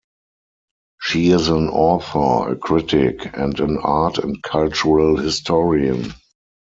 She is an author, a critic, and an art and cultural historian.